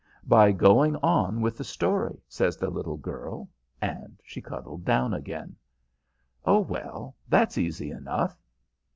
"By going on with the story," says the little girl, and she cuddled down again. "Oh, well, that's easy enough."